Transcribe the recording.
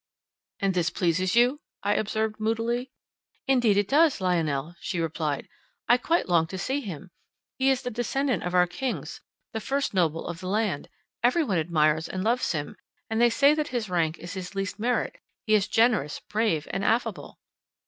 "And this pleases you?" I observed, moodily. "Indeed it does, Lionel," she replied; "I quite long to see him; he is the descendant of our kings, the first noble of the land: every one admires and loves him, and they say that his rank is his least merit; he is generous, brave, and affable."